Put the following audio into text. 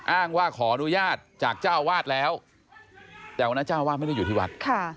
อ้างว่าขออนุญาตจากเจ้าวาดแล้วแต่วันนั้นเจ้าวาดไม่ได้อยู่ที่วัด